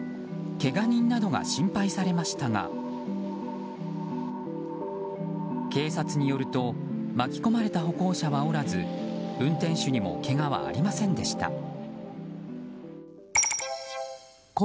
けが人などが心配されましたが警察によると巻き込まれた歩行者はおらず運転手にもけがはありませんでした。